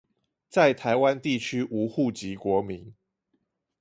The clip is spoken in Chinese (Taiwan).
在臺灣地區無戶籍國民